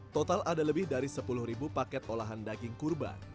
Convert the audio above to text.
total ada lebih dari sepuluh paket olahan daging kurban